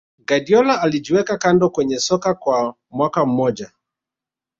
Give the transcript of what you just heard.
Guardiola alijiweka kando kwenye soka kwa mwaka mmoja